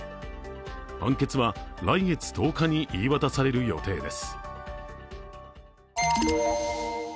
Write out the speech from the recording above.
判決は来月１０日に言い渡される予定です。